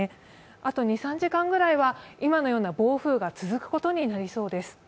あと、２３時間ぐらいは今のような暴風雨が続くことになりそうです。